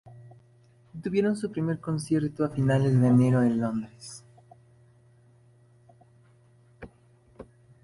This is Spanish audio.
Tuvieron su primer concierto a finales de enero en Londres.